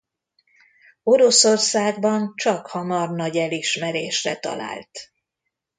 Oroszországban csakhamar nagy elismerésre talált.